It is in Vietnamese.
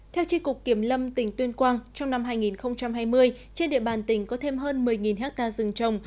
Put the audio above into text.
theo tri cục kiểm lâm tỉnh tuyên quang trong năm hai nghìn hai mươi trên địa bàn tỉnh có thêm hơn một mươi hectare rừng trồng